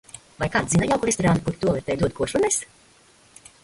Vai kāds zina jauku restorānu kur, tualetē dod košļenes?